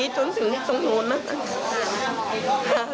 จนถึงตรงนู้นนะ